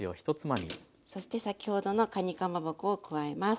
そして先ほどのかにかまぼこを加えます。